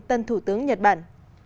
tân thủ tướng nhật bản